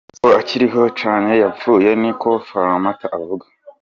"Sinzi ko akiriho canke yapfuye", ni ko Falmata avuga.